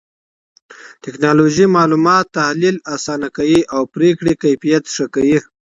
ټکنالوژي معلومات تحليل آسانه کوي او پرېکړې کيفيت ښه کوي.